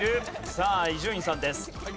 さあ伊集院さんです。